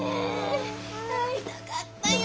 会いたかったよ。